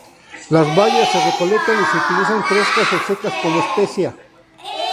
Las bayas se recolectan y se utilizan frescas o secas como especia.